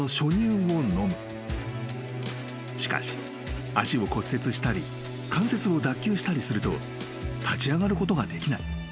［しかし足を骨折したり関節を脱臼したりすると立ち上がることができない］